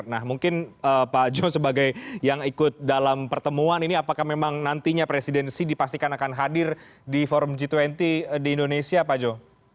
nah mungkin pak jo sebagai yang ikut dalam pertemuan ini apakah memang nantinya presidensi dipastikan akan hadir di forum g dua puluh di indonesia pak jo